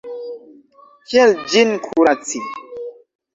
Kiel ĝin kuraci?